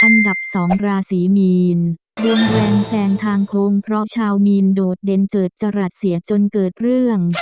อันดับสองราศีมีนดวงแรงแสงทางโค้งเพราะชาวมีนโดดเด่นเจิดจรัสเสียบจนเกิดเรื่อง